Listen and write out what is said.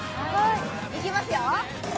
いきますよ。